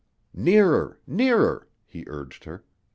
"Nearer! Nearer!" he urged her.